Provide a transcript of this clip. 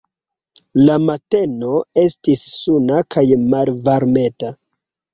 La mateno estis suna kaj malvarmeta.